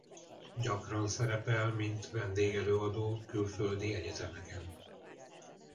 Gyakran szerepel mint vendégelőadó külföldi egyetemeken.